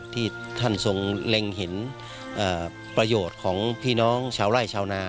ที่ท่านทรงเล็งเห็นประโยชน์ของพี่น้องชาวไร่ชาวนา